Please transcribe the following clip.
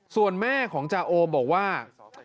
ส่วนแม่ของจาโอบอกว่า